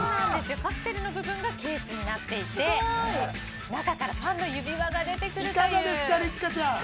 カプセルの部分がケースになっていて中からパンの指輪が出てくる。